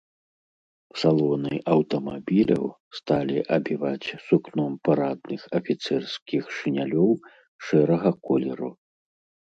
Салоны аўтамабіляў сталі абіваць сукном парадных афіцэрскіх шынялёў шэрага колеру.